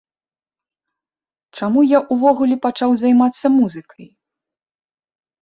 Чаму я ўвогуле пачаў займацца музыкай?